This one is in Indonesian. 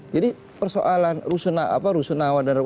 jadi persoalan rusunawan